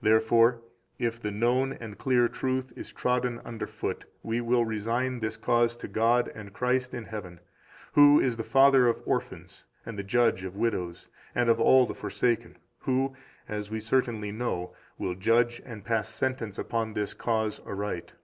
[Therefore, if the known and clear truth is trodden under foot, we will resign this cause to God and Christ in heaven, who is the Father of orphans and the Judge of widows and of all the forsaken, who (as we certainly know) will judge and pass sentence upon this cause aright.